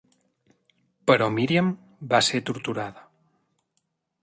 Però Miriam va ser torturada.